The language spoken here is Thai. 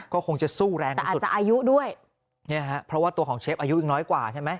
ก็คงจะสู้แรงแต่อาจจะอายุด้วยเนี่ยฮะเพราะว่าตัวของเชฟอายุยังน้อยกว่าใช่ไหม